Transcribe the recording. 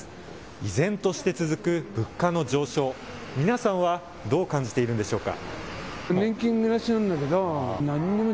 依然として続く物価の上昇、皆さんはどう感じているんでしょうか。